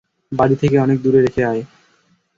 বাড়ি থেকে অনেক দূরে রেখে আয়।